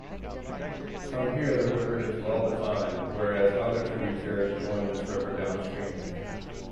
From here the river is well defined, whereas other tributaries join this river downstream.